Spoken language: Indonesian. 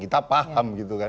kita paham gitu kan